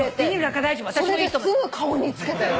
それですぐ顔につけたよ。